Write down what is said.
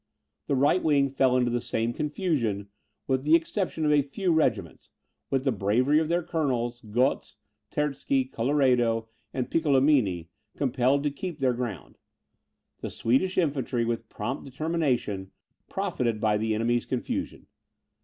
The right wing fell into the same confusion, with the exception of a few regiments, which the bravery of their colonels Gotz, Terzky, Colloredo, and Piccolomini, compelled to keep their ground. The Swedish infantry, with prompt determination, profited by the enemy's confusion.